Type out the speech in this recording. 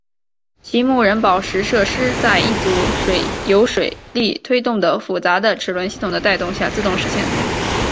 其木人宝石设施是在一组由水力推动的复杂的齿轮系统的带动下自动实现的。